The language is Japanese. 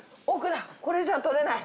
これじゃ取れない。